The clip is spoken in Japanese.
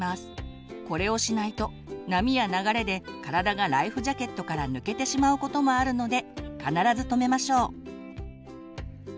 これをしないと波や流れで体がライフジャケットから抜けてしまうこともあるので必ず留めましょう。